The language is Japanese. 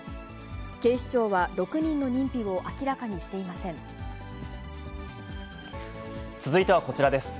警視庁は、６人の認否を明らかに続いてはこちらです。